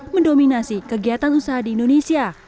mendominasi kegiatan usaha di indonesia